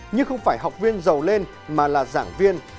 nhưng không phải học viên giàu lên mà là giảng viên